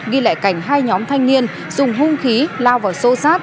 ghi lẽ cảnh hai nhóm thanh niên dùng hung khí lao vào sô sát